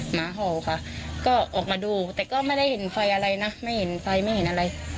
หมาเห่าค่ะก็ออกมาดูแต่ก็ไม่ได้เห็นไฟอะไรนะไม่เห็นไฟไม่เห็นอะไร